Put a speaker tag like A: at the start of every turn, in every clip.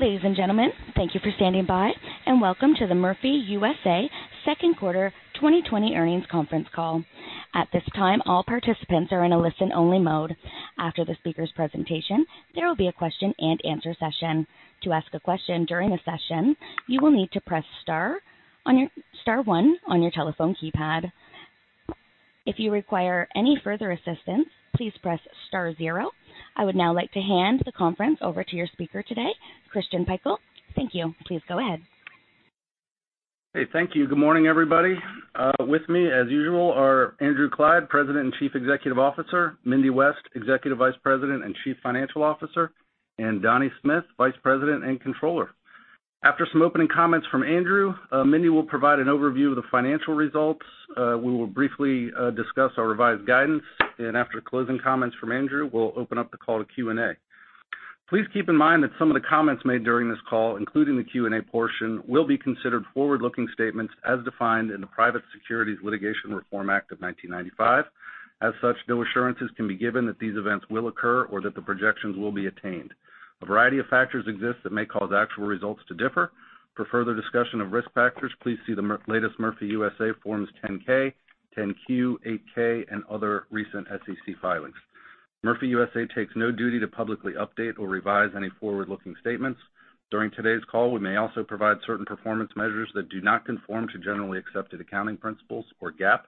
A: Ladies and gentlemen, thank you for standing by, and welcome to the Murphy USA second quarter 2020 earnings conference call. At this time, all participants are in a listen-only mode. After the speaker's presentation, there will be a question-and-answer session. To ask a question during the session, you will need to press star one on your telephone keypad. If you require any further assistance, please press star zero. I would now like to hand the conference over to your speaker today, Christian Pikul. Thank you. Please go ahead.
B: Hey, thank you. Good morning, everybody. With me, as usual, are Andrew Clyde, President and Chief Executive Officer, Mindy West, Executive Vice President and Chief Financial Officer, and Donnie Smith, Vice President and Controller. After some opening comments from Andrew, Mindy will provide an overview of the financial results. We will briefly discuss our revised guidance, and after closing comments from Andrew, we'll open up the call to Q&A. Please keep in mind that some of the comments made during this call, including the Q&A portion, will be considered forward-looking statements as defined in the Private Securities Litigation Reform Act of 1995. As such, no assurances can be given that these events will occur or that the projections will be attained. A variety of factors exist that may cause actual results to differ. For further discussion of risk factors, please see the latest Murphy USA Forms 10-K, 10-Q, 8-K, and other recent SEC filings. Murphy USA takes no duty to publicly update or revise any forward-looking statements. During today's call, we may also provide certain performance measures that do not conform to generally accepted accounting principles or GAAP.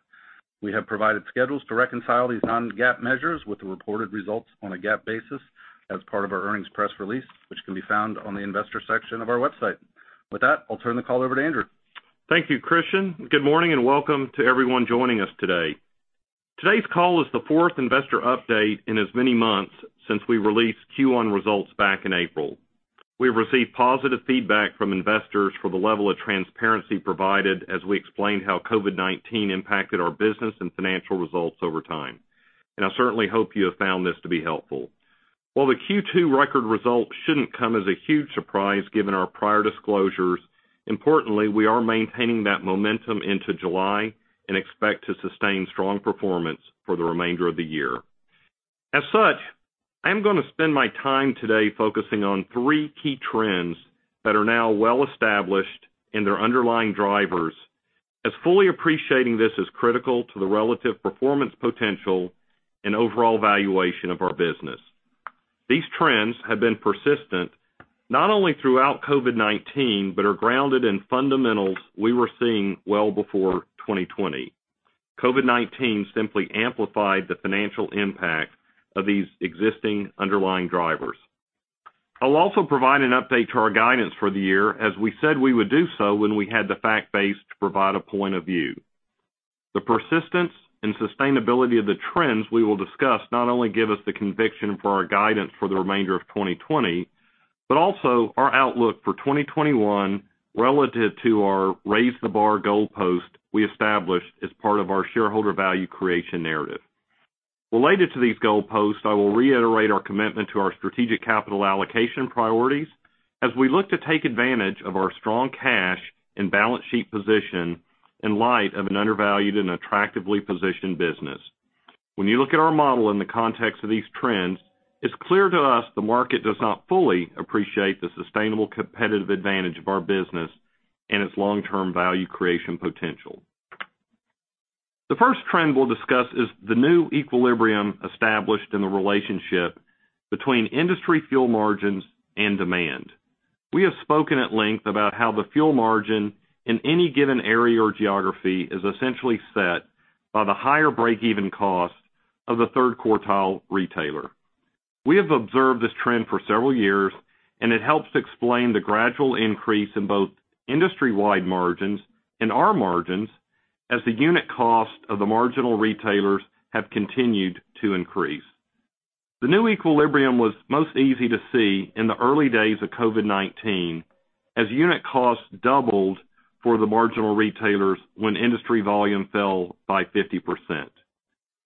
B: We have provided schedules to reconcile these non-GAAP measures with the reported results on a GAAP basis as part of our earnings press release, which can be found on the investor section of our website. With that, I'll turn the call over to Andrew.
C: Thank you, Christian. Good morning and welcome to everyone joining us today. Today's call is the fourth investor update in as many months since we released Q1 results back in April. We've received positive feedback from investors for the level of transparency provided as we explained how COVID-19 impacted our business and financial results over time, and I certainly hope you have found this to be helpful. While the Q2 record result shouldn't come as a huge surprise given our prior disclosures, importantly, we are maintaining that momentum into July and expect to sustain strong performance for the remainder of the year. As such, I am going to spend my time today focusing on three key trends that are now well established and their underlying drivers, as fully appreciating this is critical to the relative performance potential and overall valuation of our business. These trends have been persistent not only throughout COVID-19 but are grounded in fundamentals we were seeing well before 2020. COVID-19 simply amplified the financial impact of these existing underlying drivers. I'll also provide an update to our guidance for the year, as we said we would do so when we had the fact base to provide a point of view. The persistence and sustainability of the trends we will discuss not only give us the conviction for our guidance for the remainder of 2020, but also our outlook for 2021 relative to our Raise the Bar goalpost we established as part of our shareholder value creation narrative. Related to these goalposts, I will reiterate our commitment to our strategic capital allocation priorities as we look to take advantage of our strong cash and balance sheet position in light of an undervalued and attractively positioned business. When you look at our model in the context of these trends, it's clear to us the market does not fully appreciate the sustainable competitive advantage of our business and its long-term value creation potential. The first trend we'll discuss is the new equilibrium established in the relationship between industry fuel margins and demand. We have spoken at length about how the fuel margin in any given area or geography is essentially set by the higher break-even cost of the third quartile retailer. We have observed this trend for several years, and it helps to explain the gradual increase in both industry-wide margins and our margins as the unit cost of the marginal retailers have continued to increase. The new equilibrium was most easy to see in the early days of COVID-19 as unit costs doubled for the marginal retailers when industry volume fell by 50%.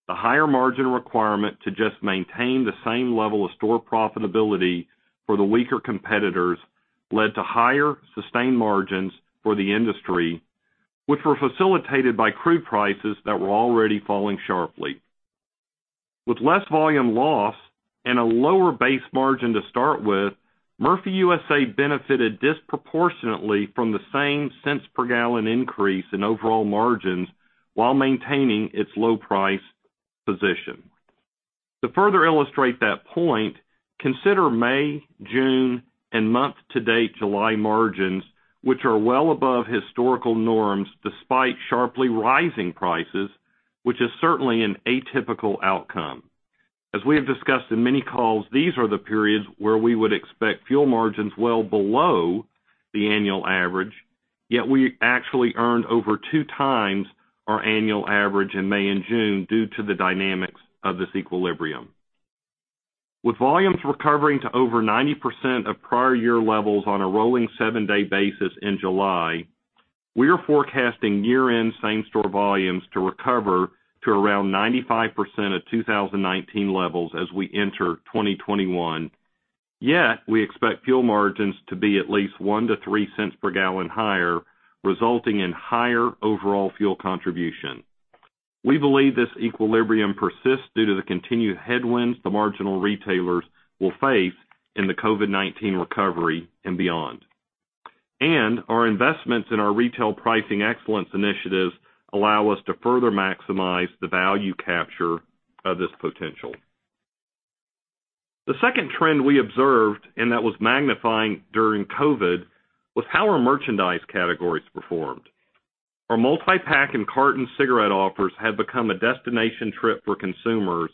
C: The higher margin requirement to just maintain the same level of store profitability for the weaker competitors led to higher sustained margins for the industry, which were facilitated by crude prices that were already falling sharply. With less volume loss and a lower base margin to start with, Murphy USA benefited disproportionately from the same cents per gallon increase in overall margins while maintaining its low-price position. To further illustrate that point, consider May, June, and month-to-date July margins, which are well above historical norms despite sharply rising prices, which is certainly an atypical outcome. As we have discussed in many calls, these are the periods where we would expect fuel margins well below the annual average, yet we actually earned over two times our annual average in May and June due to the dynamics of this equilibrium. With volumes recovering to over 90% of prior year levels on a rolling seven-day basis in July, we are forecasting year-end same-store volumes to recover to around 95% of 2019 levels as we enter 2021, yet we expect fuel margins to be at least one to three cents per gallon higher, resulting in higher overall fuel contribution. We believe this equilibrium persists due to the continued headwinds the marginal retailers will face in the COVID-19 recovery and beyond, and our investments in our retail pricing excellence initiatives allow us to further maximize the value capture of this potential. The second trend we observed, and that was magnifying during COVID, was how our merchandise categories performed. Our multi-pack and carton cigarette offers have become a destination trip for consumers,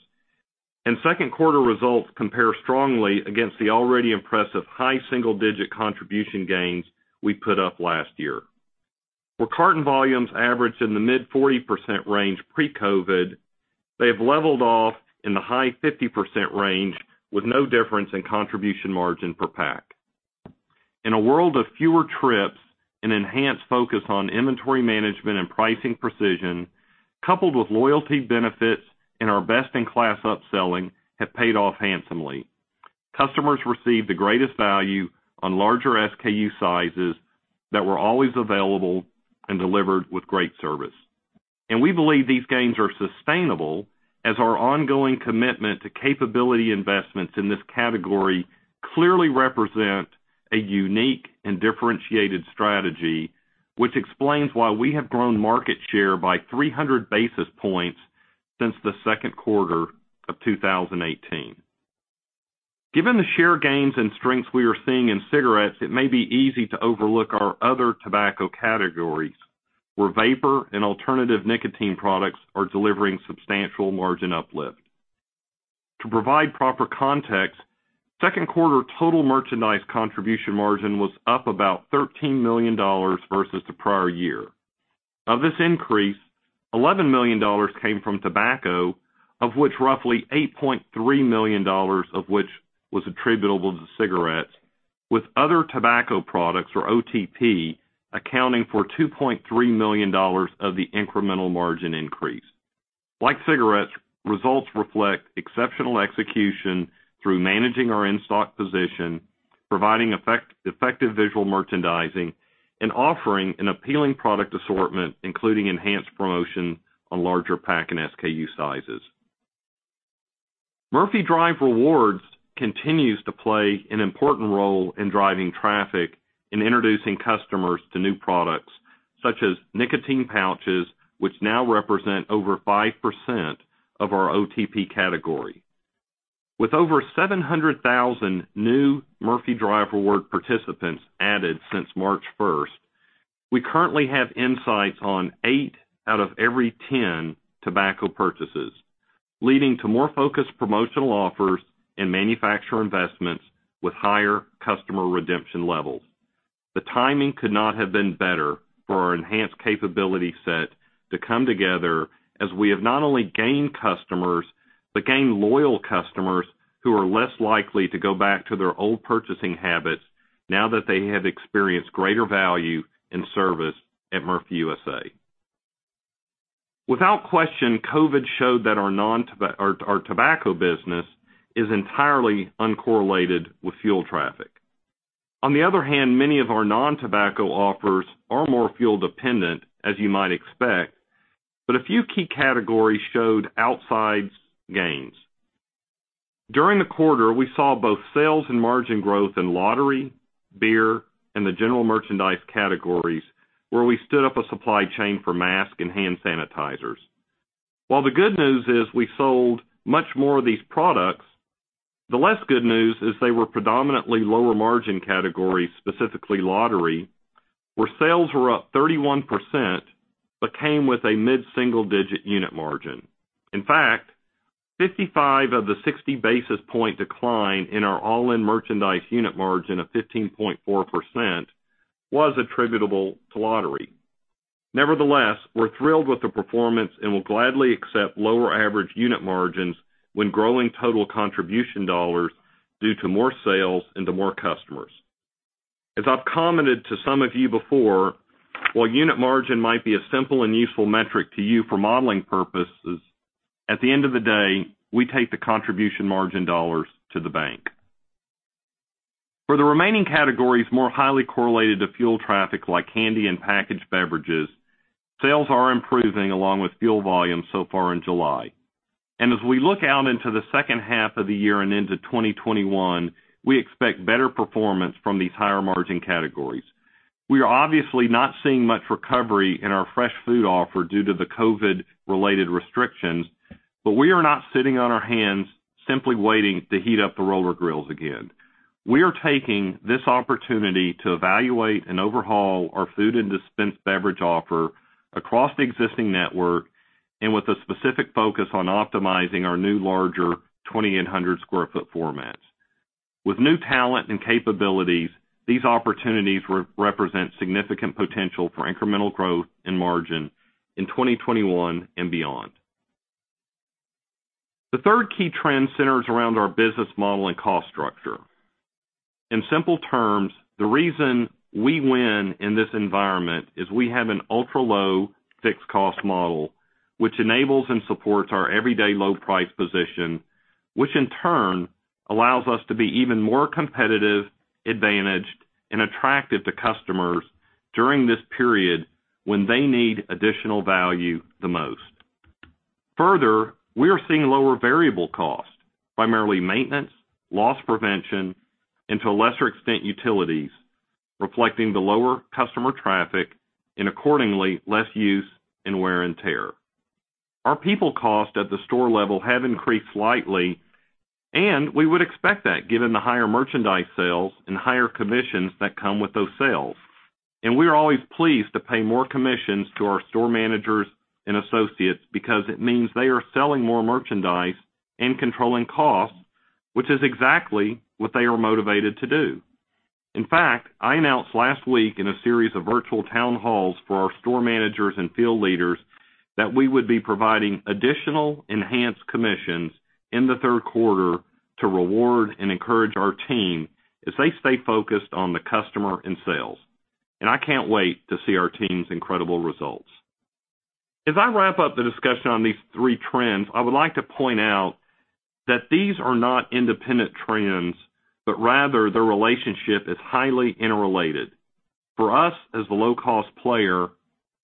C: and second quarter results compare strongly against the already impressive high single-digit contribution gains we put up last year. Where carton volumes averaged in the mid-40% range pre-COVID, they have leveled off in the high 50% range with no difference in contribution margin per pack. In a world of fewer trips and enhanced focus on inventory management and pricing precision, coupled with loyalty benefits and our best-in-class upselling, have paid off handsomely. Customers received the greatest value on larger SKU sizes that were always available and delivered with great service, and we believe these gains are sustainable as our ongoing commitment to capability investments in this category clearly represent a unique and differentiated strategy, which explains why we have grown market share by 300 basis points since the second quarter of 2018. Given the share gains and strengths we are seeing in cigarettes, it may be easy to overlook our other tobacco categories where vapor and alternative nicotine products are delivering substantial margin uplift. To provide proper context, second quarter total merchandise contribution margin was up about $13 million versus the prior year. Of this increase, $11 million came from tobacco, of which roughly $8.3 million was attributable to cigarettes, with other tobacco products or OTP accounting for $2.3 million of the incremental margin increase. Like cigarettes, results reflect exceptional execution through managing our in-stock position, providing effective visual merchandising, and offering an appealing product assortment, including enhanced promotion on larger pack and SKU sizes. Murphy Drive Rewards continues to play an important role in driving traffic and introducing customers to new products such as nicotine pouches, which now represent over 5% of our OTP category. With over 700,000 new Murphy Drive Rewards participants added since March 1st, we currently have insights on eight out of every 10 tobacco purchases, leading to more focused promotional offers and manufacturer investments with higher customer redemption levels. The timing could not have been better for our enhanced capability set to come together as we have not only gained customers but gained loyal customers who are less likely to go back to their old purchasing habits now that they have experienced greater value and service at Murphy USA. Without question, COVID showed that our tobacco business is entirely uncorrelated with fuel traffic. On the other hand, many of our non-tobacco offers are more fuel-dependent, as you might expect, but a few key categories showed outsized gains. During the quarter, we saw both sales and margin growth in lottery, beer, and the general merchandise categories where we stood up a supply chain for masks and hand sanitizers. While the good news is we sold much more of these products, the less good news is they were predominantly lower margin categories, specifically lottery, where sales were up 31% but came with a mid-single-digit unit margin. In fact, 55 of the 60 basis points decline in our all-in merchandise unit margin of 15.4% was attributable to lottery. Nevertheless, we're thrilled with the performance and will gladly accept lower average unit margins when growing total contribution dollars due to more sales and to more customers. As I've commented to some of you before, while unit margin might be a simple and useful metric to you for modeling purposes, at the end of the day, we take the contribution margin dollars to the bank. For the remaining categories more highly correlated to fuel traffic like candy and packaged beverages, sales are improving along with fuel volume so far in July. As we look out into the second half of the year and into 2021, we expect better performance from these higher margin categories. We are obviously not seeing much recovery in our fresh food offer due to the COVID-related restrictions, but we are not sitting on our hands simply waiting to heat up the roller grills again. We are taking this opportunity to evaluate and overhaul our food and dispensed beverage offer across the existing network and with a specific focus on optimizing our new larger 2,800-sq-ft formats. With new talent and capabilities, these opportunities represent significant potential for incremental growth and margin in 2021 and beyond. The third key trend centers around our business model and cost structure. In simple terms, the reason we win in this environment is we have an ultra-low fixed cost model, which enables and supports our everyday low-price position, which in turn allows us to be even more competitive, advantaged, and attractive to customers during this period when they need additional value the most. Further, we are seeing lower variable costs, primarily maintenance, loss prevention, and to a lesser extent utilities, reflecting the lower customer traffic and accordingly less use and wear and tear. Our people cost at the store level have increased slightly, and we would expect that given the higher merchandise sales and higher commissions that come with those sales. And we are always pleased to pay more commissions to our store managers and associates because it means they are selling more merchandise and controlling costs, which is exactly what they are motivated to do. In fact, I announced last week in a series of virtual town halls for our store managers and field leaders that we would be providing additional enhanced commissions in the third quarter to reward and encourage our team as they stay focused on the customer and sales. I can't wait to see our team's incredible results. As I wrap up the discussion on these three trends, I would like to point out that these are not independent trends, but rather their relationship is highly interrelated for us as the low-cost player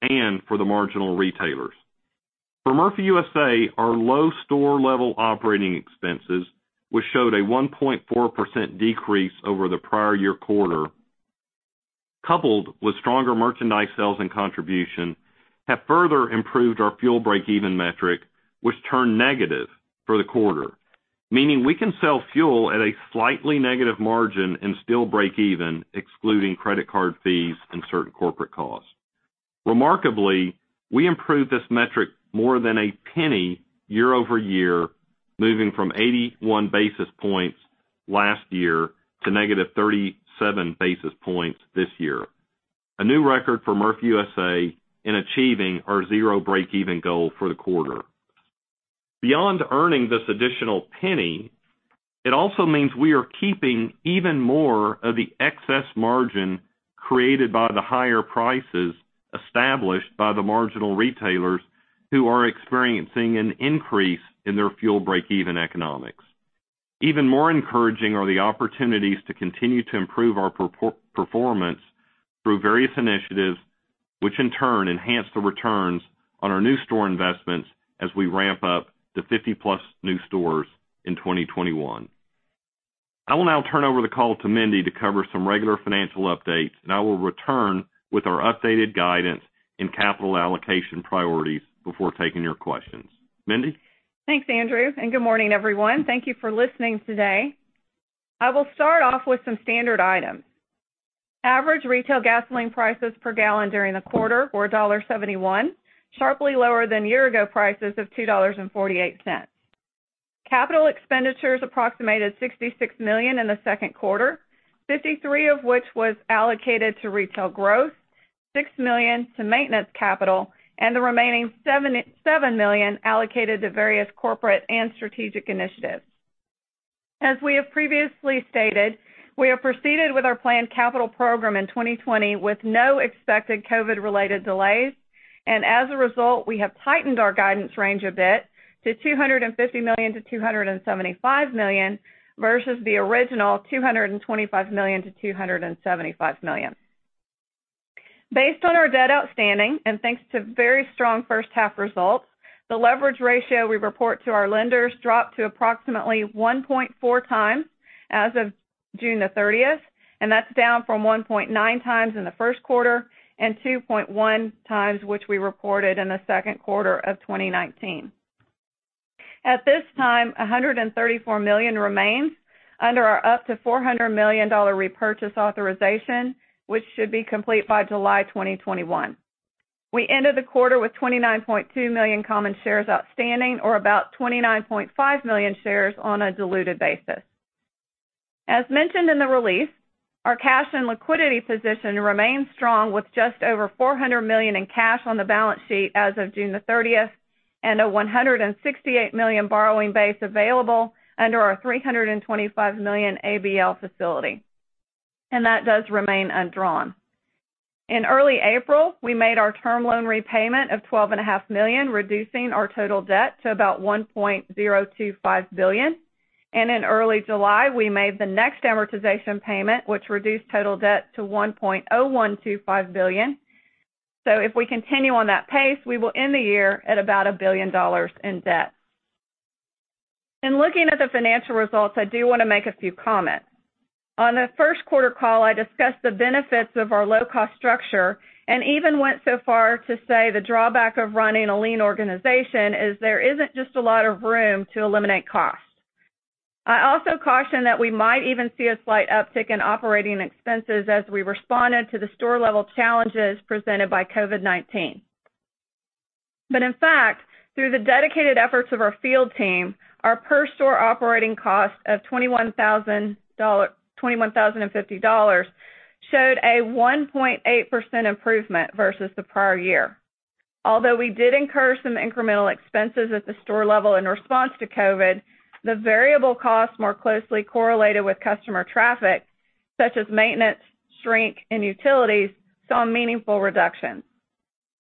C: and for the marginal retailers. For Murphy USA, our low store-level operating expenses, which showed a 1.4% decrease over the prior year quarter, coupled with stronger merchandise sales and contribution, have further improved our fuel break-even metric, which turned negative for the quarter, meaning we can sell fuel at a slightly negative margin and still break even, excluding credit card fees and certain corporate costs. Remarkably, we improved this metric more than a penny year over year, moving from 81 basis points last year to negative 37 basis points this year, a new record for Murphy USA in achieving our zero break-even goal for the quarter. Beyond earning this additional penny, it also means we are keeping even more of the excess margin created by the higher prices established by the marginal retailers who are experiencing an increase in their fuel break-even economics. Even more encouraging are the opportunities to continue to improve our performance through various initiatives, which in turn enhance the returns on our new store investments as we ramp up the 50-plus new stores in 2021. I will now turn over the call to Mindy to cover some regular financial updates, and I will return with our updated guidance and capital allocation priorities before taking your questions. Mindy?
D: Thanks, Andrew. And good morning, everyone. Thank you for listening today. I will start off with some standard items. Average retail gasoline prices per gallon during the quarter were $1.71, sharply lower than year-ago prices of $2.48. Capital expenditures approximated $66 million in the second quarter, $53 million of which was allocated to retail growth, $6 million to maintenance capital, and the remaining $7 million allocated to various corporate and strategic initiatives. As we have previously stated, we have proceeded with our planned capital program in 2020 with no expected COVID-related delays, and as a result, we have tightened our guidance range a bit to $250 million-$275 million versus the original $225 million-$275 million. Based on our debt outstanding and thanks to very strong first-half results, the leverage ratio we report to our lenders dropped to approximately 1.4 times as of June the 30th, and that's down from 1.9 times in the first quarter and 2.1 times which we reported in the second quarter of 2019. At this time, $134 million remains under our up-to $400 million repurchase authorization, which should be complete by July 2021. We ended the quarter with 29.2 million common shares outstanding, or about 29.5 million shares on a diluted basis. As mentioned in the release, our cash and liquidity position remains strong with just over $400 million in cash on the balance sheet as of June 30th and a $168 million borrowing base available under our $325 million ABL facility. And that does remain undrawn. In early April, we made our term loan repayment of $12.5 million, reducing our total debt to about $1.025 billion. And in early July, we made the next amortization payment, which reduced total debt to $1.0125 billion. So if we continue on that pace, we will end the year at about $1 billion in debt. In looking at the financial results, I do want to make a few comments. On the first quarter call, I discussed the benefits of our low-cost structure and even went so far to say the drawback of running a lean organization is there isn't just a lot of room to eliminate costs. I also cautioned that we might even see a slight uptick in operating expenses as we responded to the store-level challenges presented by COVID-19. but in fact, through the dedicated efforts of our field team, our per-store operating cost of $21,050 showed a 1.8% improvement versus the prior year. Although we did incur some incremental expenses at the store level in response to COVID, the variable costs more closely correlated with customer traffic, such as maintenance, shrink, and utilities, saw meaningful reductions.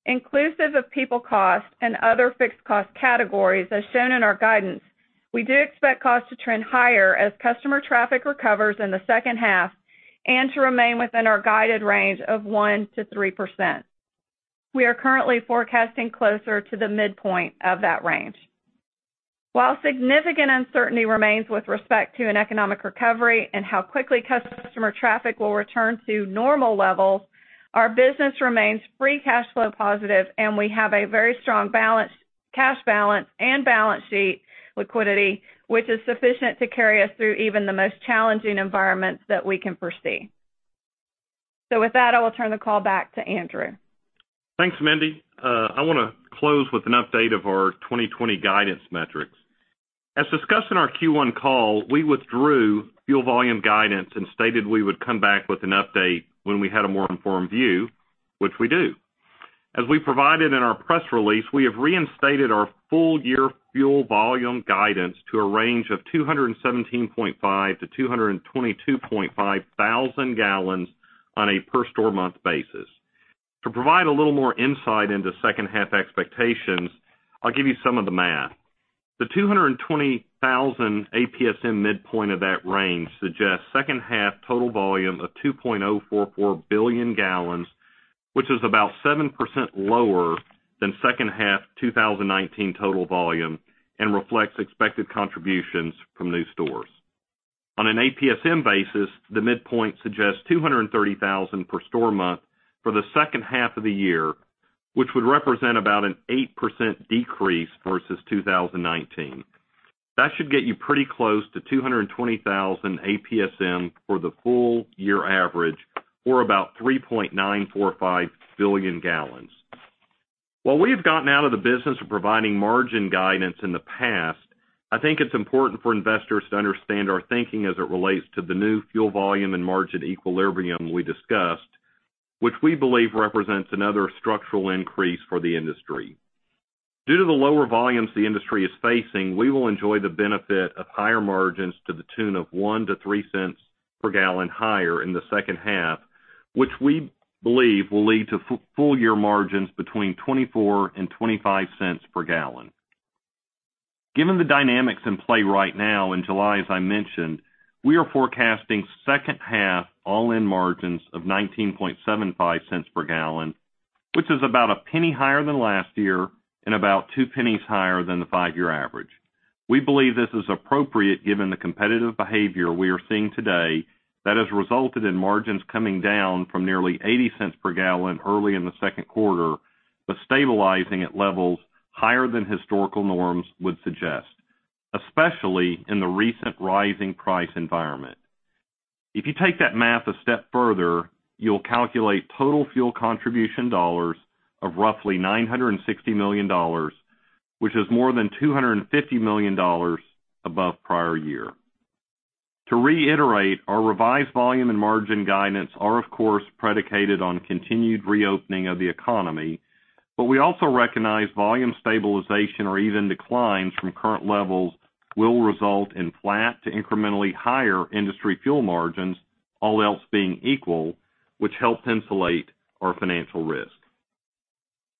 D: Inclusive of people cost and other fixed cost categories, as shown in our guidance, we do expect costs to trend higher as customer traffic recovers in the second half and to remain within our guided range of 1%-3%. We are currently forecasting closer to the midpoint of that range. While significant uncertainty remains with respect to an economic recovery and how quickly customer traffic will return to normal levels, our business remains free cash flow positive, and we have a very strong cash balance and balance sheet liquidity, which is sufficient to carry us through even the most challenging environments that we can foresee. So with that, I will turn the call back to Andrew.
C: Thanks, Mindy. I want to close with an update of our 2020 guidance metrics. As discussed in our Q1 call, we withdrew fuel volume guidance and stated we would come back with an update when we had a more informed view, which we do. As we provided in our press release, we have reinstated our full-year fuel volume guidance to a range of 217,500 gals-222,500 gals on a per-store month basis. To provide a little more insight into second-half expectations, I'll give you some of the math. The 220,000 APSM midpoint of that range suggests second-half total volume of 2.044 billion gals, which is about 7% lower than second-half 2019 total volume and reflects expected contributions from new stores. On an APSM basis, the midpoint suggests 230,000 gals per store month for the second half of the year, which would represent about an 8% decrease versus 2019. That should get you pretty close to 220,000 APSM for the full-year average, or about 3.945 billion gals. While we have gotten out of the business of providing margin guidance in the past, I think it's important for investors to understand our thinking as it relates to the new fuel volume and margin equilibrium we discussed, which we believe represents another structural increase for the industry. Due to the lower volumes the industry is facing, we will enjoy the benefit of higher margins to the tune of 1-3 cents per gallon higher in the second half, which we believe will lead to full-year margins between 24 and 25 cents per gallon. Given the dynamics in play right now in July, as I mentioned, we are forecasting second-half all-in margins of $0.1975 per gal, which is about $0.01 higher than last year and about $0.02 higher than the five-year average. We believe this is appropriate given the competitive behavior we are seeing today that has resulted in margins coming down from nearly $0.80 per gallon early in the second quarter, but stabilizing at levels higher than historical norms would suggest, especially in the recent rising price environment. If you take that math a step further, you'll calculate total fuel contribution dollars of roughly $960 million, which is more than $250 million above prior year. To reiterate, our revised volume and margin guidance are, of course, predicated on continued reopening of the economy, but we also recognize volume stabilization or even declines from current levels will result in flat to incrementally higher industry fuel margins, all else being equal, which help insulate our financial risk.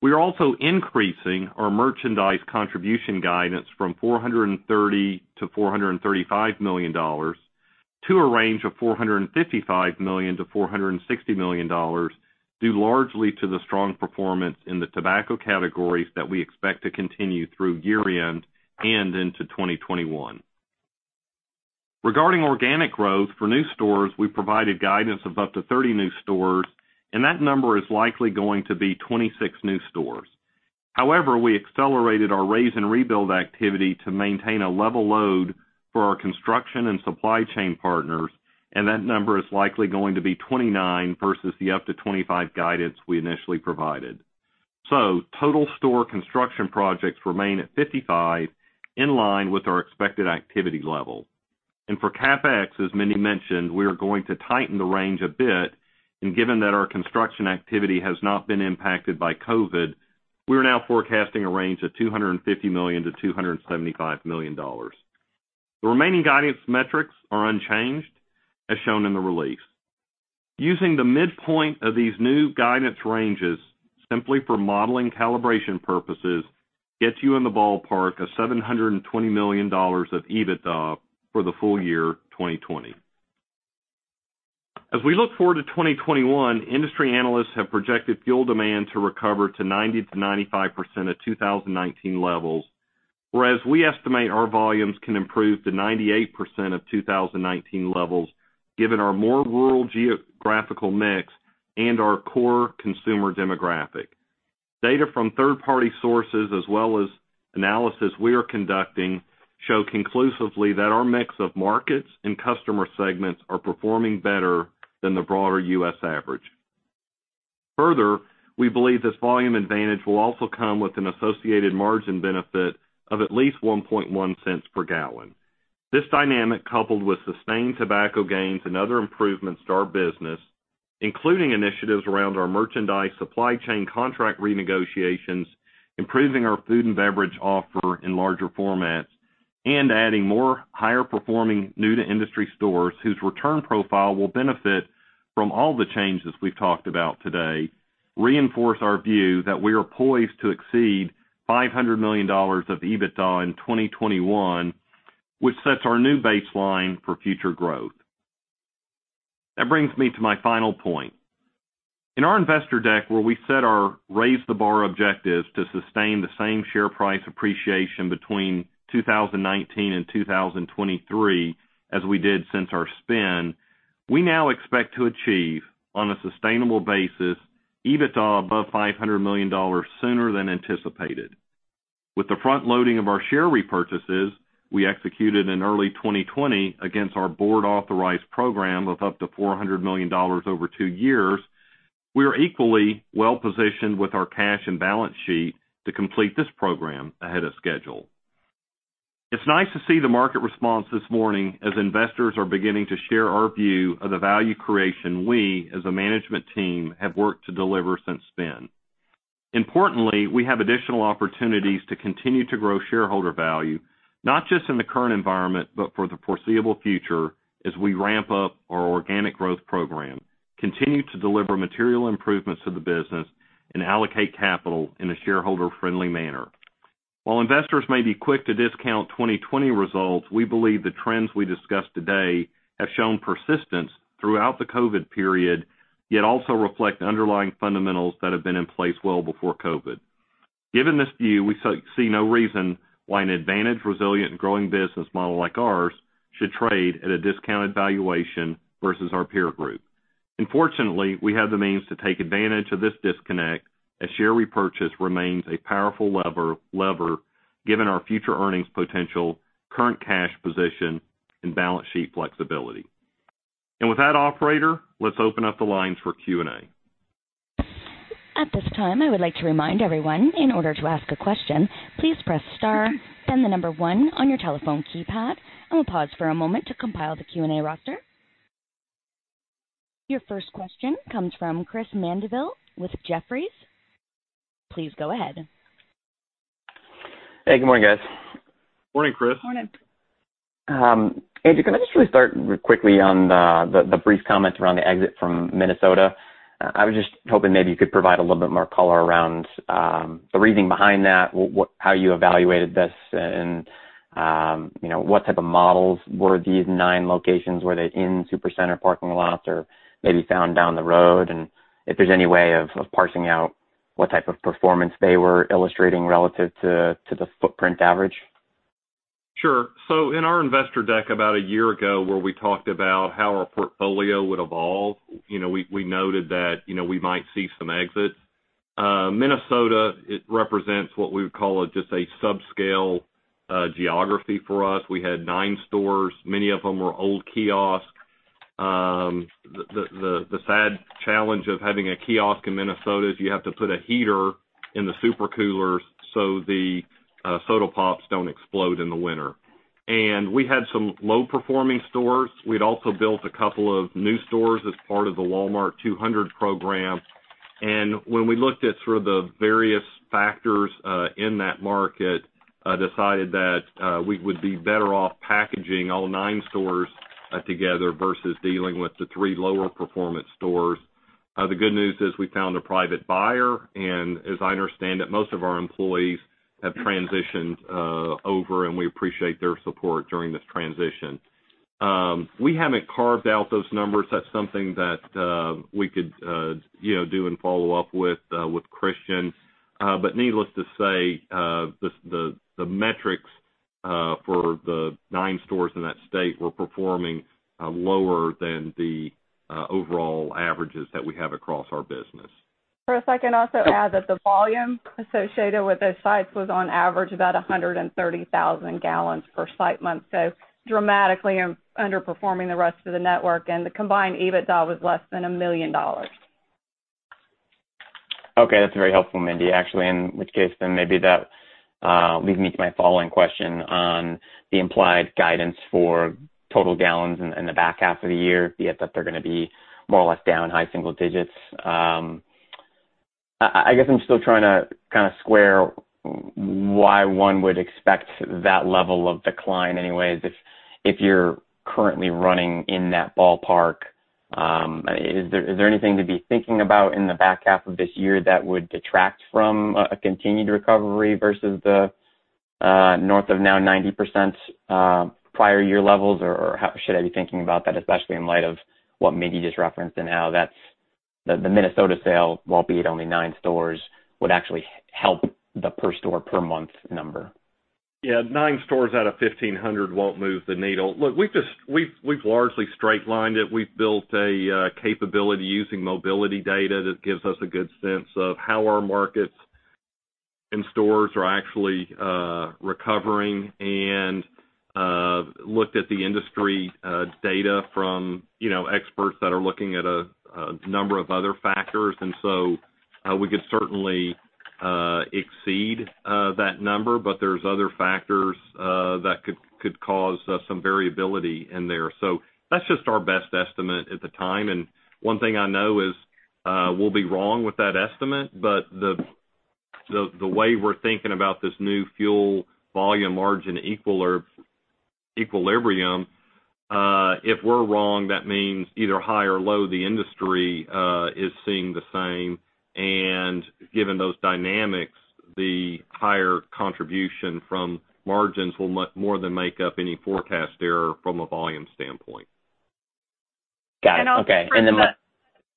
C: We are also increasing our merchandise contribution guidance from $430 million-$435 million to a range of $455 million-$460 million due largely to the strong performance in the tobacco categories that we expect to continue through year-end and into 2021. Regarding organic growth for new stores, we provided guidance of up to 30 new stores, and that number is likely going to be 26 new stores. However, we accelerated our raze and rebuild activity to maintain a level load for our construction and supply chain partners, and that number is likely going to be 29 versus the up-to-25 guidance we initially provided. So total store construction projects remain at 55, in line with our expected activity level. And for CapEx, as Mindy mentioned, we are going to tighten the range a bit. And given that our construction activity has not been impacted by COVID, we are now forecasting a range of $250 million-$275 million. The remaining guidance metrics are unchanged, as shown in the release. Using the midpoint of these new guidance ranges simply for modeling calibration purposes gets you in the ballpark of $720 million of EBITDA for the full year 2020. As we look forward to 2021, industry analysts have projected fuel demand to recover to 90%-95% of 2019 levels, whereas we estimate our volumes can improve to 98% of 2019 levels given our more rural geographical mix and our core consumer demographic. Data from third-party sources, as well as analysis we are conducting, show conclusively that our mix of markets and customer segments are performing better than the broader U.S. average. Further, we believe this volume advantage will also come with an associated margin benefit of at least $0.011 per gal. This dynamic, coupled with sustained tobacco gains and other improvements to our business, including initiatives around our merchandise supply chain contract renegotiations, improving our food and beverage offer in larger formats, and adding more higher-performing new-to-industry stores whose return profile will benefit from all the changes we've talked about today, reinforce our view that we are poised to exceed $500 million of EBITDA in 2021, which sets our new baseline for future growth. That brings me to my final point. In our investor deck, where we set our raise-the-bar objectives to sustain the same share price appreciation between 2019 and 2023 as we did since our spin, we now expect to achieve, on a sustainable basis, EBITDA above $500 million sooner than anticipated. With the front-loading of our share repurchases we executed in early 2020 against our board-authorized program of up to $400 million over two years, we are equally well-positioned with our cash and balance sheet to complete this program ahead of schedule. It's nice to see the market response this morning as investors are beginning to share our view of the value creation we, as a management team, have worked to deliver since then. Importantly, we have additional opportunities to continue to grow shareholder value, not just in the current environment but for the foreseeable future as we ramp up our organic growth program, continue to deliver material improvements to the business, and allocate capital in a shareholder-friendly manner. While investors may be quick to discount 2020 results, we believe the trends we discussed today have shown persistence throughout the COVID period, yet also reflect underlying fundamentals that have been in place well before COVID. Given this view, we see no reason why an advantage, resilient, and growing business model like ours should trade at a discounted valuation versus our peer group. And fortunately, we have the means to take advantage of this disconnect as share repurchase remains a powerful lever given our future earnings potential, current cash position, and balance sheet flexibility. And with that, Operator, let's open up the lines for Q&A.
A: At this time, I would like to remind everyone, in order to ask a question, please press star, then the number one on your telephone keypad, and we'll pause for a moment to compile the Q&A roster. Your first question comes from Chris Mandeville with Jefferies. Please go ahead.
E: Hey, good morning, guys.
C: Morning, Chris.
D: Morning.
E: Andrew, can I just really start quickly on the brief comment around the exit from Minnesota? I was just hoping maybe you could provide a little bit more color around the reasoning behind that, how you evaluated this, and what type of models were these nine locations? Were they in supercenter parking lots or maybe found down the road? And if there's any way of parsing out what type of performance they were illustrating relative to the footprint average?
C: Sure, so in our investor deck about a year ago, where we talked about how our portfolio would evolve, we noted that we might see some exits. Minnesota represents what we would call just a subscale geography for us. We had nine stores. Many of them were old kiosks. The sad challenge of having a kiosk in Minnesota is you have to put a heater in the super coolers so the soda pops don't explode in the winter. And we had some low-performing stores. We'd also built a couple of new stores as part of the Walmart 200 program. And when we looked at sort of the various factors in that market, decided that we would be better off packaging all nine stores together versus dealing with the three lower-performance stores. The good news is we found a private buyer, and as I understand it, most of our employees have transitioned over, and we appreciate their support during this transition. We haven't carved out those numbers. That's something that we could do and follow up with Christian. But needless to say, the metrics for the nine stores in that state were performing lower than the overall averages that we have across our business.
D: Chris, I can also add that the volume associated with those sites was, on average, about 130,000 gals per site month, so dramatically underperforming the rest of the network. And the combined EBITDA was less than $1 million.
E: Okay. That's very helpful, Mindy, actually. In which case, then maybe that leads me to my following question on the implied guidance for total gallons in the back half of the year, be it that they're going to be more or less down high single digits. I guess I'm still trying to kind of square why one would expect that level of decline anyways if you're currently running in that ballpark. Is there anything to be thinking about in the back half of this year that would detract from a continued recovery versus the north of now 90% prior year levels? Or how should I be thinking about that, especially in light of what Mindy just referenced and how the Minnesota sale, while being only nine stores, would actually help the per-store per month number?
C: Yeah. Nine stores out of 1,500 won't move the needle. Look, we've largely straight-lined it. We've built a capability using mobility data that gives us a good sense of how our markets and stores are actually recovering and looked at the industry data from experts that are looking at a number of other factors. And so we could certainly exceed that number, but there's other factors that could cause some variability in there. So that's just our best estimate at the time. And one thing I know is we'll be wrong with that estimate, but the way we're thinking about this new fuel volume margin equilibrium, if we're wrong, that means either high or low, the industry is seeing the same. And given those dynamics, the higher contribution from margins will more than make up any forecast error from a volume standpoint. Got it.
D: Okay. And the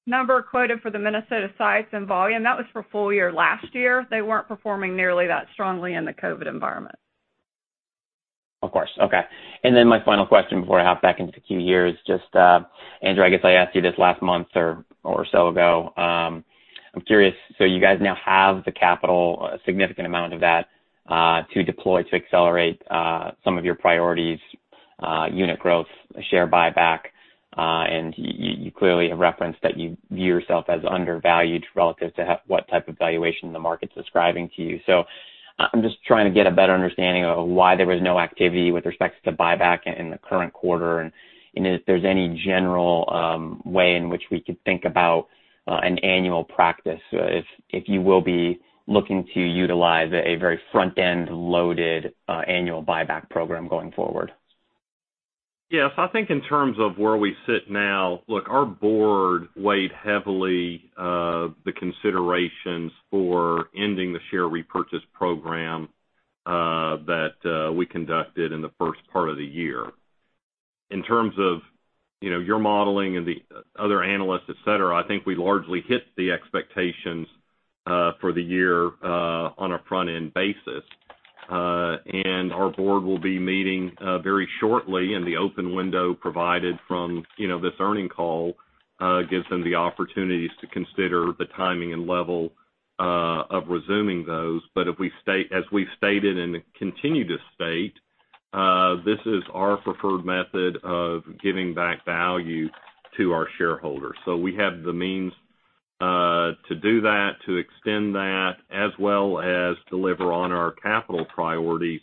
D: number quoted for the Minnesota sites and volume, that was for full year last year. They weren't performing nearly that strongly in the COVID environment.
E: Of course. Okay. And then my final question before I hop back into queue here is just, Andrew, I guess I asked you this last month or so ago. I'm curious, so you guys now have the capital, a significant amount of that to deploy to accelerate some of your priorities, unit growth, share buyback, and you clearly have referenced that you view yourself as undervalued relative to what type of valuation the market's describing to you. So I'm just trying to get a better understanding of why there was no activity with respect to buyback in the current quarter. And if there's any general way in which we could think about an annual practice if you will be looking to utilize a very front-end loaded annual buyback program going forward.
C: Yes. I think in terms of where we sit now, look, our board weighed heavily the considerations for ending the share repurchase program that we conducted in the first part of the year. In terms of your modeling and the other analysts, etc., I think we largely hit the expectations for the year on a front-end basis. And our board will be meeting very shortly, and the open window provided from this earnings call gives them the opportunities to consider the timing and level of resuming those. But as we've stated and continue to state, this is our preferred method of giving back value to our shareholders. So we have the means to do that, to extend that, as well as deliver on our capital priorities.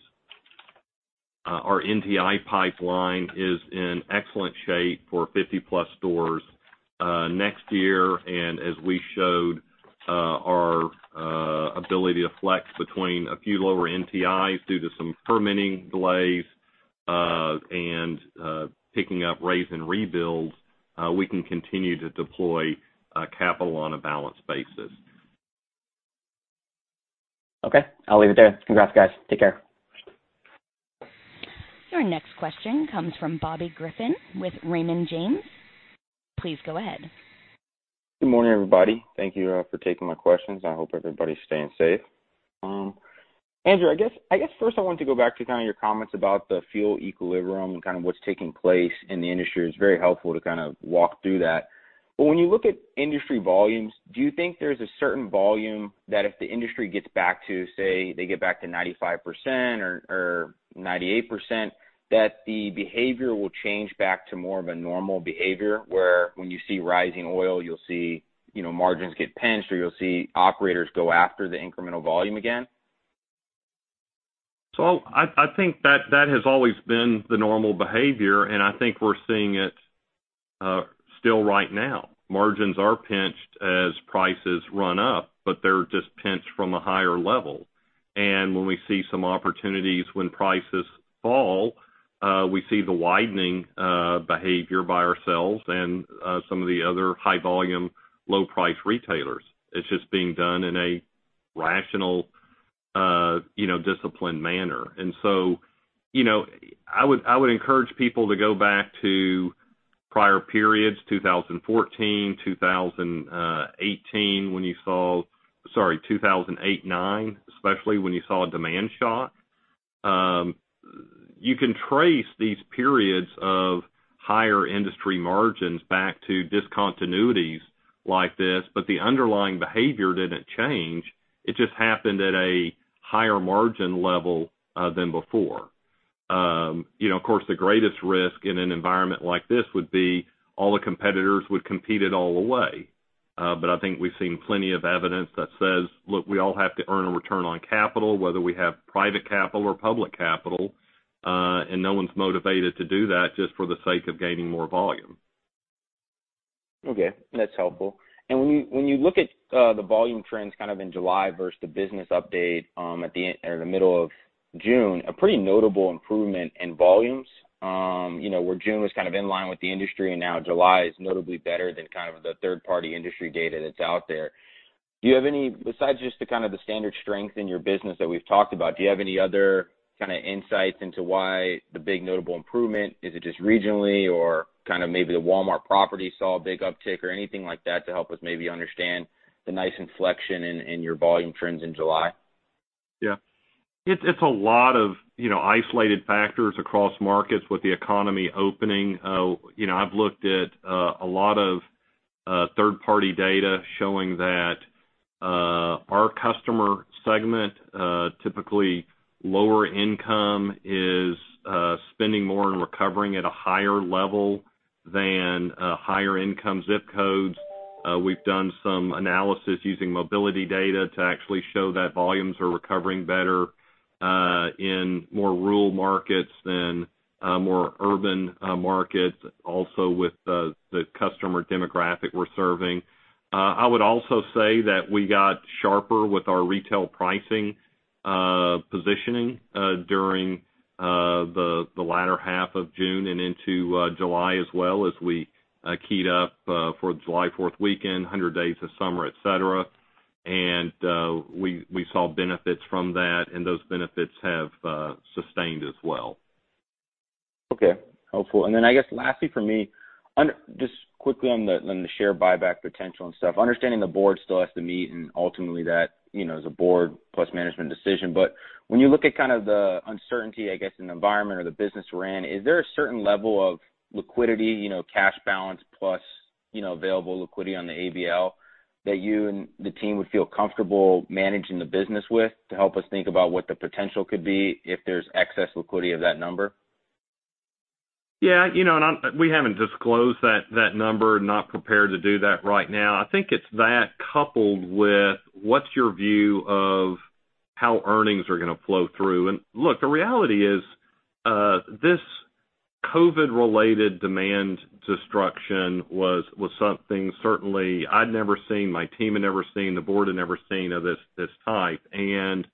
C: Our NTI pipeline is in excellent shape for 50-plus stores next year. And as we showed our ability to flex between a few lower NTIs due to some permitting delays and picking up raze and rebuilds, we can continue to deploy capital on a balanced basis.
E: Okay. I'll leave it there. Congrats, guys. Take care.
A: Your next question comes from Bobby Griffin with Raymond James. Please go ahead.
F: Good morning, everybody. Thank you for taking my questions. I hope everybody's staying safe. Andrew, I guess first I wanted to go back to kind of your comments about the fuel equilibrium and kind of what's taking place in the industry. It's very helpful to kind of walk through that. But when you look at industry volumes, do you think there's a certain volume that if the industry gets back to, say, they get back to 95% or 98%, that the behavior will change back to more of a normal behavior where when you see rising oil, you'll see margins get pinched or you'll see operators go after the incremental volume again?
C: So I think that has always been the normal behavior, and I think we're seeing it still right now. Margins are pinched as prices run up, but they're just pinched from a higher level. And when we see some opportunities when prices fall, we see the widening behavior by ourselves and some of the other high-volume, low-price retailers. It's just being done in a rational, disciplined manner. And so I would encourage people to go back to prior periods, 2014, 2018, when you saw, sorry, 2008, 2009, especially when you saw a demand shock. You can trace these periods of higher industry margins back to discontinuities like this, but the underlying behavior didn't change. It just happened at a higher margin level than before. Of course, the greatest risk in an environment like this would be all the competitors would compete it all away. but I think we've seen plenty of evidence that says, "Look, we all have to earn a return on capital, whether we have private capital or public capital," and no one's motivated to do that just for the sake of gaining more volume.
F: Okay. That's helpful. And when you look at the volume trends kind of in July versus the business update at the middle of June, a pretty notable improvement in volumes where June was kind of in line with the industry, and now July is notably better than kind of the third-party industry data that's out there. Do you have any, besides just kind of the standard strength in your business that we've talked about, do you have any other kind of insights into why the big notable improvement? Is it just regionally or kind of maybe the Walmart property saw a big uptick or anything like that to help us maybe understand the nice inflection in your volume trends in July?
C: Yeah. It's a lot of isolated factors across markets with the economy opening. I've looked at a lot of third-party data showing that our customer segment, typically lower income, is spending more and recovering at a higher level than higher income zip codes. We've done some analysis using mobility data to actually show that volumes are recovering better in more rural markets than more urban markets, also with the customer demographic we're serving. I would also say that we got sharper with our retail pricing positioning during the latter half of June and into July as well as we keyed up for the July 4th weekend, 100 days of summer, etc. And we saw benefits from that, and those benefits have sustained as well.
F: Okay. Helpful. And then I guess lastly for me, just quickly on the share buyback potential and stuff, understanding the board still has to meet, and ultimately that is a board plus management decision. But when you look at kind of the uncertainty, I guess, in the environment or the business we're in, is there a certain level of liquidity, cash balance plus available liquidity on the ABL that you and the team would feel comfortable managing the business with to help us think about what the potential could be if there's excess liquidity of that number?
C: Yeah. And we haven't disclosed that number, not prepared to do that right now. I think it's that coupled with, what's your view of how earnings are going to flow through? And look, the reality is this COVID-related demand destruction was something certainly I'd never seen. My team had never seen. The board had never seen of this type. And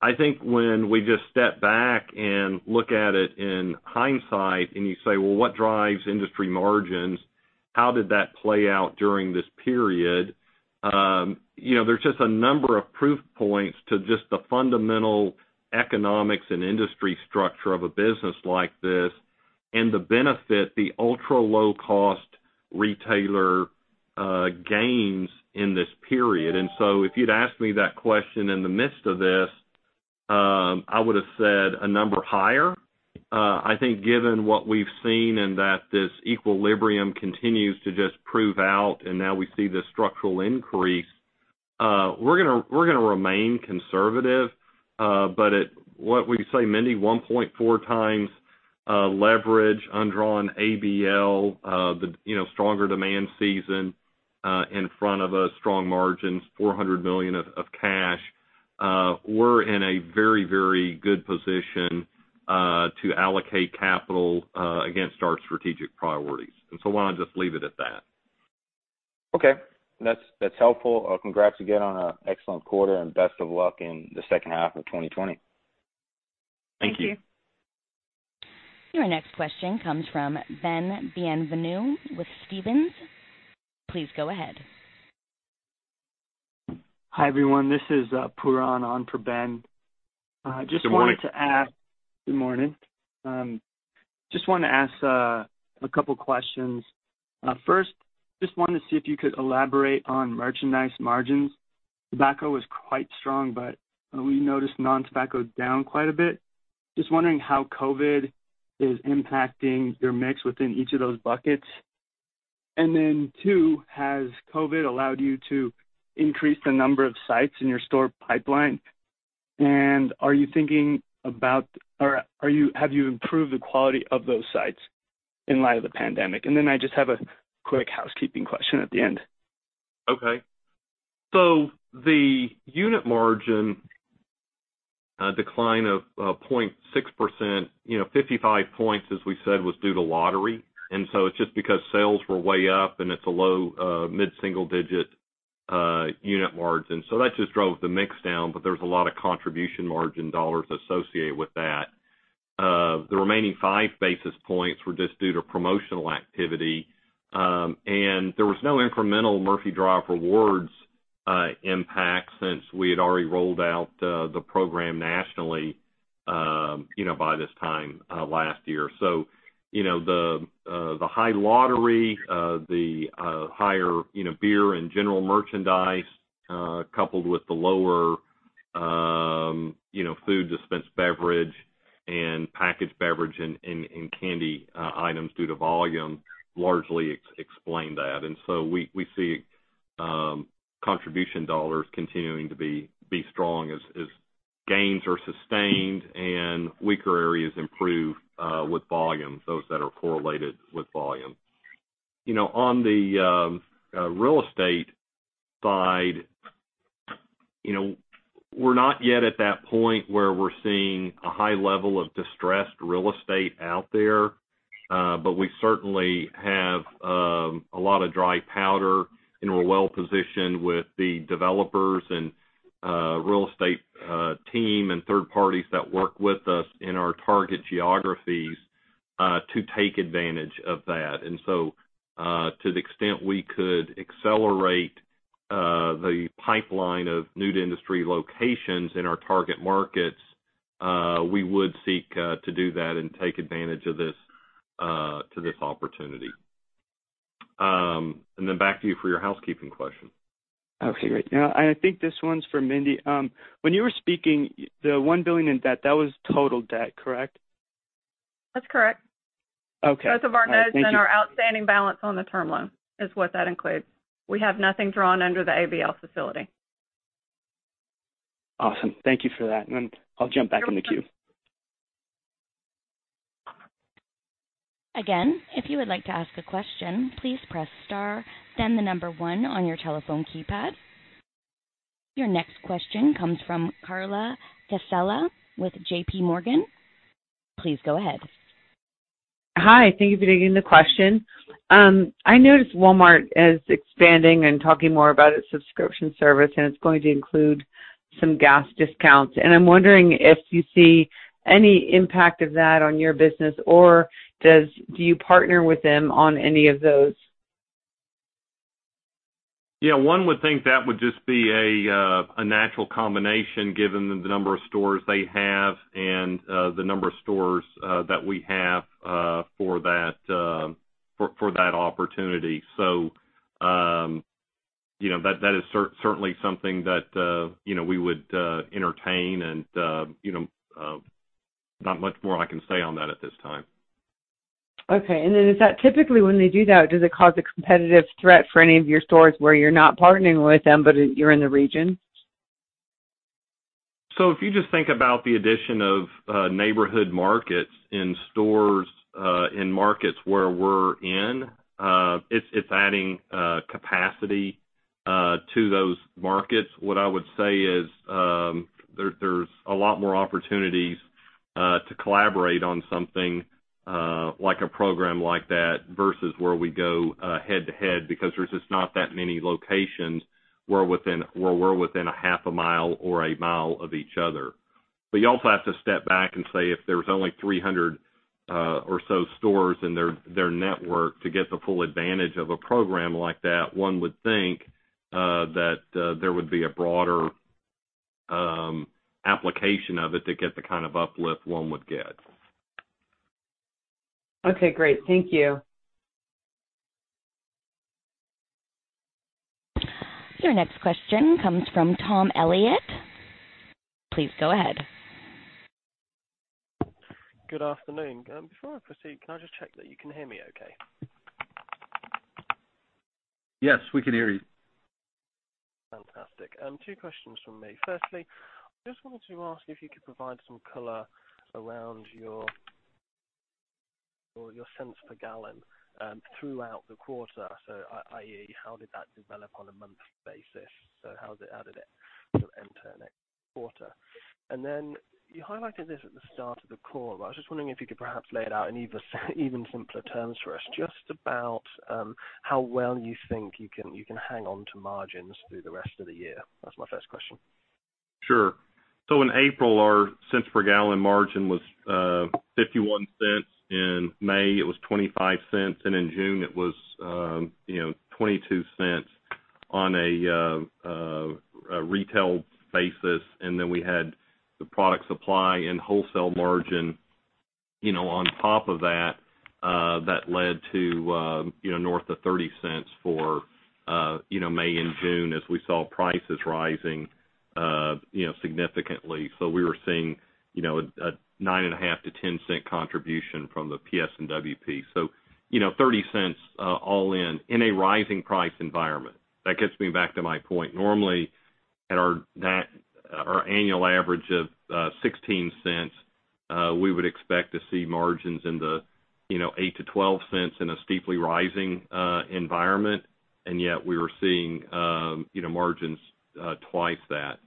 C: I think when we just step back and look at it in hindsight and you say, "Well, what drives industry margins? How did that play out during this period?" There's just a number of proof points to just the fundamental economics and industry structure of a business like this and the benefit, the ultra-low-cost retailer gains in this period. And so if you'd asked me that question in the midst of this, I would have said a number higher. I think given what we've seen and that this equilibrium continues to just prove out, and now we see the structural increase, we're going to remain conservative. But what would you say, Mindy? 1.4 times leverage, undrawn ABL, the stronger demand season in front of us, strong margins, $400 million of cash. We're in a very, very good position to allocate capital against our strategic priorities, and so why don't I just leave it at that?
F: Okay. That's helpful. Congrats again on an excellent quarter, and best of luck in the second half of 2020.
D: Thank you. Thank you.
A: Your next question comes from Ben Bienvenue with Stephens. Please go ahead.
G: Hi everyone. This is Pooran on for Ben. Just wanted to ask. Good morning. Just wanted to ask a couple of questions. First, just wanted to see if you could elaborate on merchandise margins. Tobacco was quite strong, but we noticed non-tobacco down quite a bit. Just wondering how COVID is impacting your mix within each of those buckets. And then two, has COVID allowed you to increase the number of sites in your store pipeline? And are you thinking about—or have you improved the quality of those sites in light of the pandemic? And then I just have a quick housekeeping question at the end.
C: Okay. So the unit margin decline of 0.6%, 55 points, as we said, was due to lottery. And so it's just because sales were way up, and it's a low mid-single-digit unit margin. So that just drove the mix down, but there was a lot of contribution margin dollars associated with that. The remaining five basis points were just due to promotional activity. And there was no incremental Murphy Drive Rewards impact since we had already rolled out the program nationally by this time last year. So the higher lottery, the higher beer and general merchandise, coupled with the lower food, dispensed beverage and packaged beverage and candy items due to volume largely explained that, and so we see contribution dollars continuing to be strong as gains are sustained and weaker areas improve with volume, those that are correlated with volume. On the real estate side, we're not yet at that point where we're seeing a high level of distressed real estate out there, but we certainly have a lot of dry powder, and we're well positioned with the developers and real estate team and third parties that work with us in our target geographies to take advantage of that, and so to the extent we could accelerate the pipeline of new-to-industry locations in our target markets, we would seek to do that and take advantage of this opportunity. And then back to you for your housekeeping question.
G: Okay. Great. And I think this one's for Mindy. When you were speaking, the $1 billion in debt, that was total debt, correct?
D: That's correct. Okay. That's the amount in our outstanding balance on the term loan is what that includes. We have nothing drawn under the ABL facility.
G: Awesome. Thank you for that. And then I'll jump back in the queue.
A: Again, if you would like to ask a question, please press star, then the number one on your telephone keypad. Your next question comes from Carla Casella with JPMorgan. Please go ahead.
H: Hi. Thank you for taking the question. I noticed Walmart is expanding and talking more about its subscription service, and it's going to include some gas discounts. And I'm wondering if you see any impact of that on your business, or do you partner with them on any of those?
C: Yeah. One would think that would just be a natural combination given the number of stores they have and the number of stores that we have for that opportunity. So that is certainly something that we would entertain, and not much more I can say on that at this time.
H: Okay. And then is that typically when they do that, does it cause a competitive threat for any of your stores where you're not partnering with them, but you're in the region?
C: So if you just think about the addition of Neighborhood Markets in stores in markets where we're in, it's adding capacity to those markets. What I would say is there's a lot more opportunities to collaborate on something like a program like that versus where we go head-to-head because there's just not that many locations where we're within a half a mile or a mile of each other. But you also have to step back and say if there's only 300 or so stores in their network to get the full advantage of a program like that, one would think that there would be a broader application of it to get the kind of uplift one would get.
H: Okay. Great. Thank you.
A: Your next question comes from Tom Elliott. Please go ahead. Good afternoon. Before I proceed, can I just check that you can hear me okay?
C: Yes, we can hear you. Fantastic. Two questions from me. First, I just wanted to ask if you could provide some color around your cents for gallon throughout the quarter, so i.e., how did that develop on a monthly basis? So how did it sort of enter the next quarter? And then you highlighted this at the start of the call, but I was just wondering if you could perhaps lay it out in even simpler terms for us just about how well you think you can hang on to margins through the rest of the year. That is my first question. Sure, so in April, our cents for gallon margin was $0.51. In May, it was $0.25. And in June, it was $0.22 on a retail basis. And then we had the product supply and wholesale margin on top of that that led to north of $0.30 for May and June as we saw prices rising significantly. So we were seeing a $0.095-$0.10 contribution from the PSWP. So $0.30 all in in a rising price environment. That gets me back to my point. Normally, at our annual average of $0.16, we would expect to see margins in the $0.08-$0.12 in a steeply rising environment, and yet we were seeing margins twice that.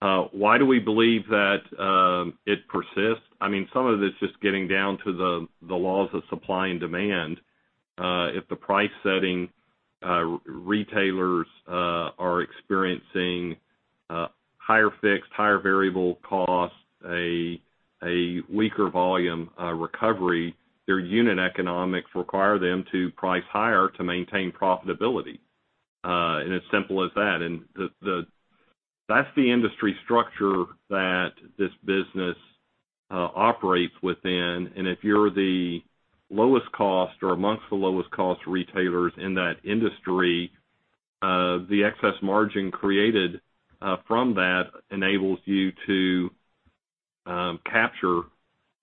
C: Why do we believe that it persists? I mean, some of it's just getting down to the laws of supply and demand. If the price setting retailers are experiencing higher fixed, higher variable costs, a weaker volume recovery, their unit economics require them to price higher to maintain profitability. And it's simple as that. And that's the industry structure that this business operates within. And if you're the lowest cost or amongst the lowest cost retailers in that industry, the excess margin created from that enables you to capture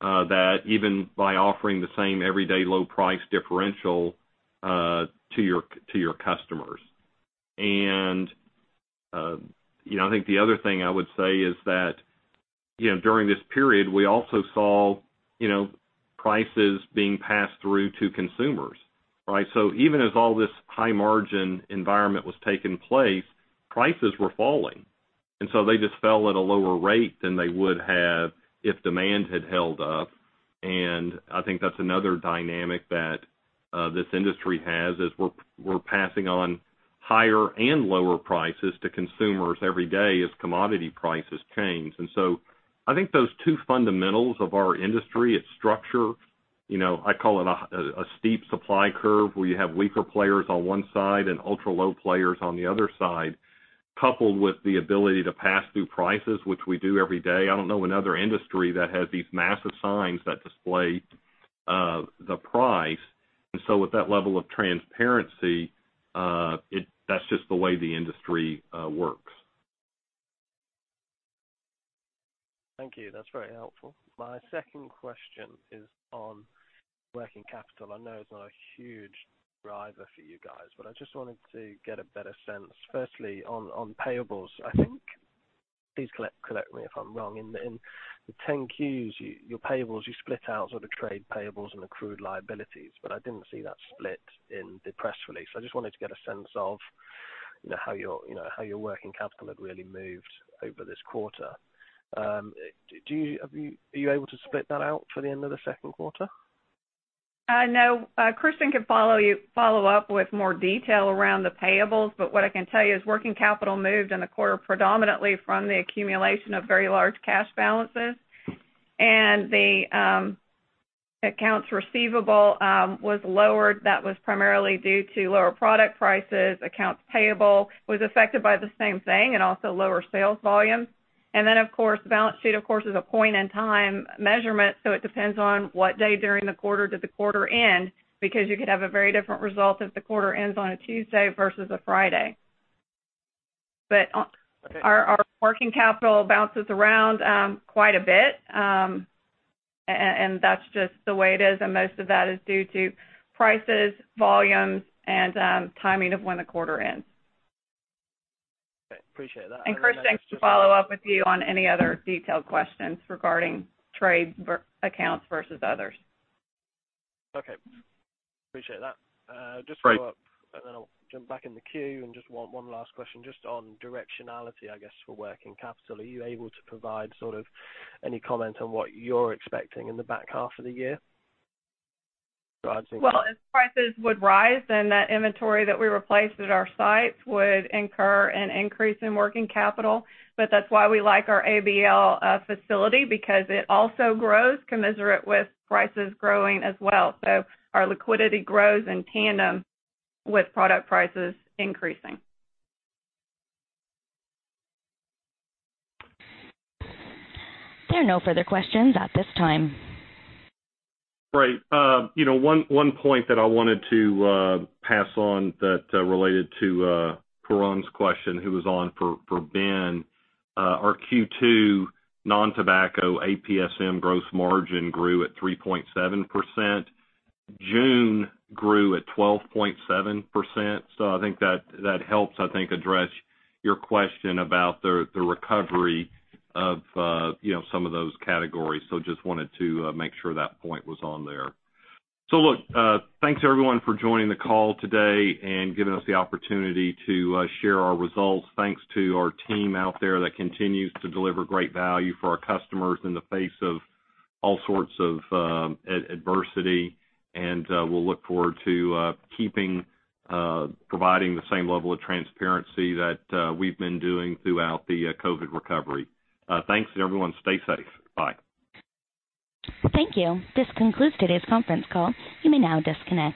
C: that even by offering the same everyday low price differential to your customers. And I think the other thing I would say is that during this period, we also saw prices being passed through to consumers, right? So even as all this high margin environment was taking place, prices were falling. And so they just fell at a lower rate than they would have if demand had held up. And I think that's another dynamic that this industry has is we're passing on higher and lower prices to consumers every day as commodity prices change. And so I think those two fundamentals of our industry, its structure, I call it a steep supply curve where you have weaker players on one side and ultra-low players on the other side, coupled with the ability to pass through prices, which we do every day. I don't know another industry that has these massive signs that display the price. And so with that level of transparency, that's just the way the industry works. Thank you. That's very helpful. My second question is on working capital. I know it's not a huge driver for you guys, but I just wanted to get a better sense. Firstly, on payables, I think please correct me if I'm wrong. In the 10-Qs, your payables, you split out sort of trade payables and accrued liabilities, but I didn't see that split in the press release. I just wanted to get a sense of how your working capital had really moved over this quarter. Are you able to split that out for the end of the second quarter?
D: No. Christian can follow up with more detail around the payables, but what I can tell you is working capital moved in the quarter predominantly from the accumulation of very large cash balances, and the accounts receivable was lowered. That was primarily due to lower product prices. Accounts payable was affected by the same thing and also lower sales volume, and then, of course, the balance sheet, of course, is a point-in-time measurement, so it depends on what day during the quarter did the quarter end because you could have a very different result if the quarter ends on a Tuesday versus a Friday. But our working capital bounces around quite a bit, and that's just the way it is. And most of that is due to prices, volumes, and timing of when the quarter ends. Okay. Appreciate that. And Christian can follow up with you on any other detailed questions regarding trade accounts versus others. Okay. Appreciate that. Just follow up, and then I'll jump back in the queue and just want one last question just on directionality, I guess, for working capital. Are you able to provide sort of any comments on what you're expecting in the back half of the year? Well, if prices would rise, then that inventory that we replaced at our sites would incur an increase in working capital. But that's why we like our ABL facility because it also grows commensurate with prices growing as well. So our liquidity grows in tandem with product prices increasing.
A: There are no further questions at this time.
C: Great. One point that I wanted to pass on that related to Pooran's question, who was on for Ben, our Q2 non-tobacco APSM gross margin grew at 3.7%. June grew at 12.7%. So I think that helps, I think, address your question about the recovery of some of those categories. So just wanted to make sure that point was on there. So look, thanks everyone for joining the call today and giving us the opportunity to share our results. Thanks to our team out there that continues to deliver great value for our customers in the face of all sorts of adversity. And we'll look forward to keeping providing the same level of transparency that we've been doing throughout the COVID recovery. Thanks, and everyone stay safe. Bye.
A: Thank you. This concludes today's conference call. You may now disconnect.